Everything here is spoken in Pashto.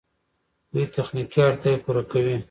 دوی تخنیکي اړتیاوې پوره کوي.